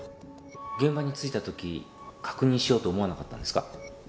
「現場に着いた時確認しようと思わなかったんですか？」